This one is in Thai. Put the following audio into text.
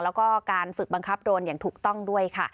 แล้วก็การฝึกบังคับโดรนอย่างถูกต้องด้วยค่ะ